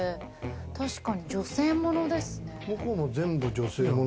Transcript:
確かに女性ものですね。